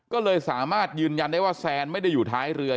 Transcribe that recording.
ก็เลยสามารถยืนยันได้ว่าแซนไม่ได้อยู่ท้ายเรือ